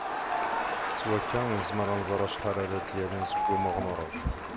S wakka i nezmer ad nẓer acḥal ara d-yalin seg wumuɣ n uraju.